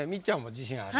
自信ある。